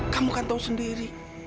kamu kan tahu sendiri